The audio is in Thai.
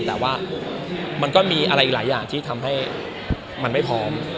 แต่ว่ามันก็มีอะไรอีกหลายอย่างที่ทำให้มันไม่พร้อม